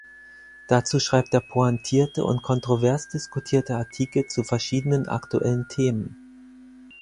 Dazu schreibt er pointierte und kontrovers diskutierte Artikel zu verschiedenen aktuellen Themen.